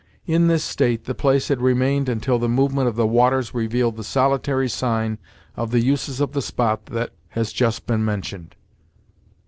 In this state the place had remained until the movement of the waters revealed the solitary sign of the uses of the spot that has just been mentioned.